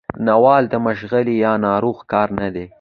ناول د مشغلې یا ناروغ کار نه دی.